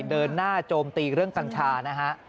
เดินหน้าโจมตีเรื่องกัญชานะฮะ